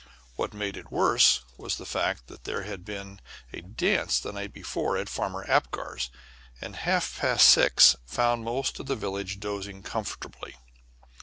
What made it worse was the fact that there had been a dance the night before at Farmer Apgar's, and half past six found most of the village dozing comfortably.